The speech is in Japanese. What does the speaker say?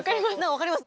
分かります？